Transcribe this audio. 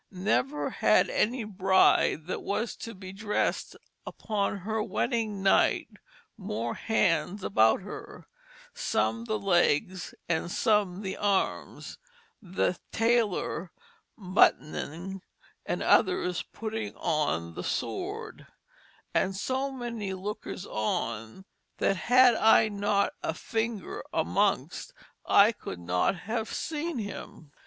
Never had any bride that was to be drest upon her weding night more handes about her, some the legs, some the armes, the taylor butt'ning, and others putting on the sword, and so many lookers on that had I not a ffinger amongst I could not have seen him.